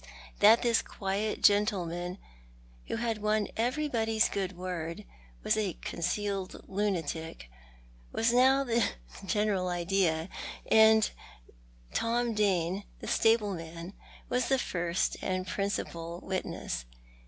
That this quiet gentle man, who had won everybody's good word, was a concealed lunatic, was now the general idea ; and Tom Dane, the stable man, was the first and principal witness.